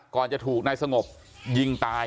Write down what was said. จะถูกนายสงบยิงตาย